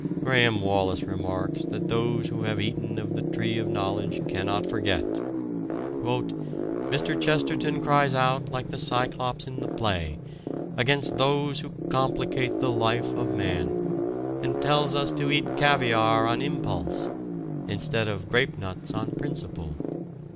Graham Wallas remarks that those who have eaten of the tree of knowledge cannot forget "Mr. Chesterton cries out, like the Cyclops in the play, against those who complicate the life of man, and tells us to eat 'caviare on impulse,' instead of 'grapenuts on principle.'